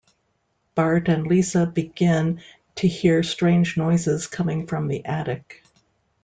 Bart and Lisa begin to hear strange noises coming from the attic.